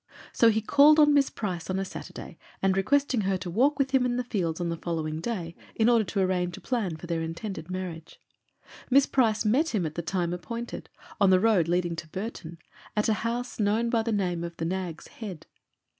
So he called on Miss Price on a Saturday and requesting her to walk with him in the fields on the following day, in order to arrange a plan for their intended marriage. Miss Price met him at the time appointed, on the road leading to Burton, at a house known by the name of "The Nag's Head."